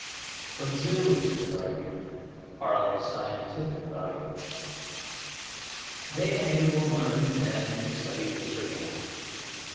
But zoos, it is argued, are of scientific value. They enable learned men to study this or that.